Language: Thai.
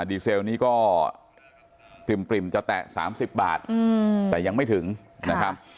ดีเซลนี้ก็ปริ่มจะแตะ๓๐บาทแต่ยังไม่ถึงนะครับ